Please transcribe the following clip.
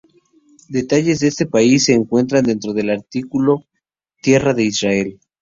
Detalles de este país se encuentran dentro del artículo "Tierra de Israel".